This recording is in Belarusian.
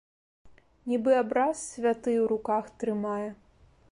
Нібы абраз святы ў руках трымае!